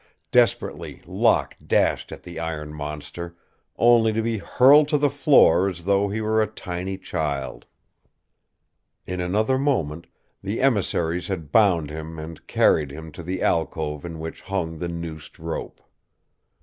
Desperately Locke dashed at the iron monster, only to be hurled to the floor as though he were a tiny child. In another moment the emissaries had bound him and carried him to the alcove in which hung the noosed rope.